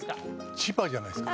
千葉じゃないですか？